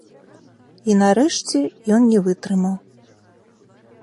І, нарэшце, ён не вытрымаў.